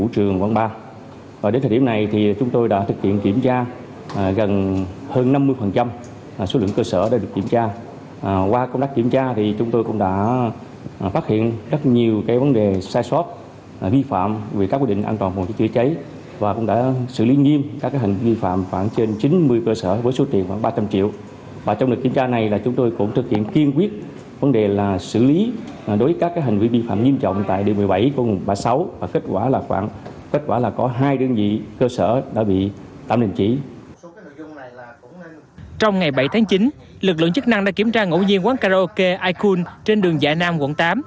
trong ngày bảy tháng chín lực lượng chức năng đã kiểm tra ngẫu nhiên quán karaoke ikun trên đường dạ nam quận tám